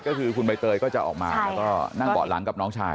ก็คือคุณใบเตยก็จะออกมาแล้วก็นั่งเบาะหลังกับน้องชาย